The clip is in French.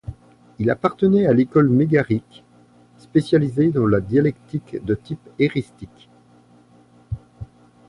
Il appartenait à l'école mégarique, spécialisée dans la dialectique de type éristique.